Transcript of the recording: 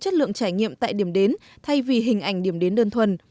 chất lượng trải nghiệm tại điểm đến thay vì hình ảnh điểm đến đơn thuần